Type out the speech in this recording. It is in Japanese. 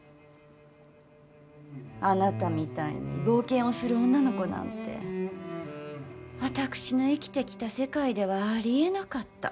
あなたみたいに冒険をする女の子なんて私が生きてきた世界ではありえなかった。